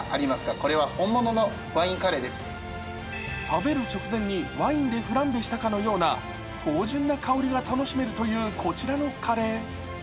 食べる直前にワインでフランベしたかのような芳醇な香りが楽しめるというこちらのカレー。